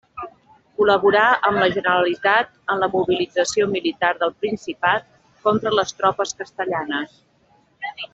Col·laborà amb la Generalitat en la mobilització militar del Principat contra les tropes castellanes.